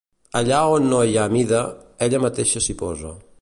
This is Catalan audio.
Allà on no hi ha mida, ella mateixa s'hi posa.